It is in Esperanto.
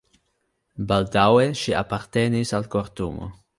Baldaŭe ŝi apartenis al kortumo.